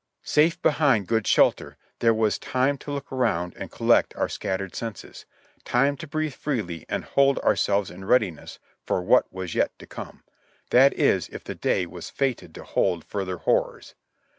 Safe behind good shelter, there was time to look around and collect our scattered senses — time to breathe freely and hold our selves in readiness for what was yet to come, that is, if the day was fated to hold further horrors.